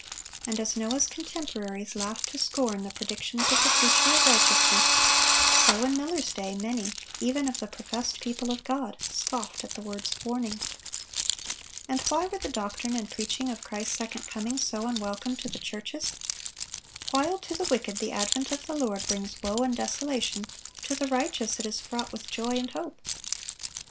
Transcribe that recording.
And as Noah's contemporaries laughed to scorn the predictions of the preacher of righteousness, so in Miller's day many, even of the professed people of God, scoffed at the words of warning. And why were the doctrine and preaching of Christ's second coming so unwelcome to the churches? While to the wicked the advent of the Lord brings woe and desolation, to the righteous it is fraught with joy and hope.